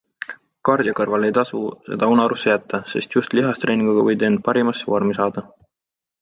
Kardio kõrval ei tasu seda unarusse jätta, sest just lihastreeninguga võid end parimasse vormi saada.